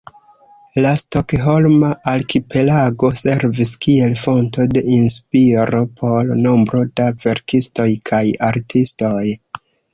La Stokholma arkipelago servis kiel fonto de inspiro por nombro da verkistoj kaj artistoj.